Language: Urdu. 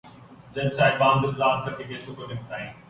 جج صاحبان دن رات کر کے کیسوں کو نمٹائیں۔